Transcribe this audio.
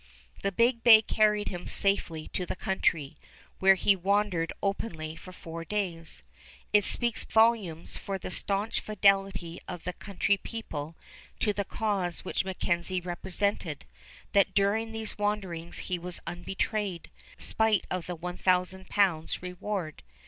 The big bay carried him safely to the country, where he wandered openly for four days. It speaks volumes for the stanch fidelity of the country people to the cause which MacKenzie represented, that during these wanderings he was unbetrayed, spite of the 1000 pounds reward.